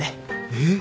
えっ？